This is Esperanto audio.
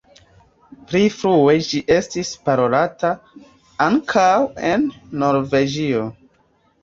Pli frue ĝi estis parolata ankaŭ en Norvegio.